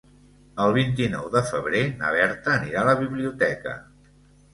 El vint-i-nou de febrer na Berta anirà a la biblioteca.